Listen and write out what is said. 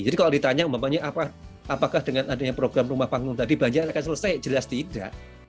jadi kalau ditanya apakah dengan adanya program rumah panggung tadi banjir akan selesai jelas tidak